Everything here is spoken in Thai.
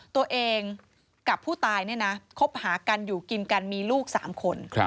ตัวเองกับผู้ตายเนี่ยนะคบหากันอยู่กินกันมีลูก๓คน